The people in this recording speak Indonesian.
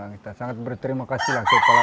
kita sangat berterima kasih